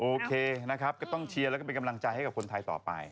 โอเคนะครับก็ต้องเชียร์แล้วก็เป็นกำลังใจให้กับคนไทยต่อไป